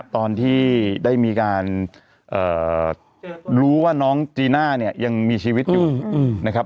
ตอนที่ได้มีการรู้ว่าน้องจีน่าเนี่ยยังมีชีวิตอยู่นะครับ